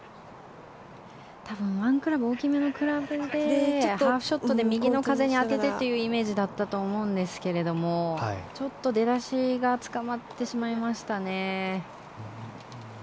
１クラブ大きめのクラブでハーフショットで右の風に当ててというイメージだったと思うんですけどちょっと出だしがつかまってしまいましたね。